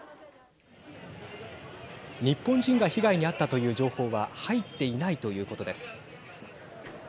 日本人が被害に遭ったという情報は入っていないということです。